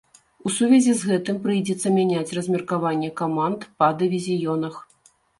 У сувязі з гэтым прыйдзецца мяняць размеркаванне каманд па дывізіёнах.